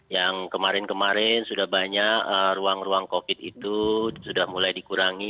yang kemarin kemarin sudah banyak ruang ruang covid itu sudah mulai dikurangi